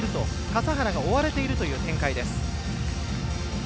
笠原が追われているという展開。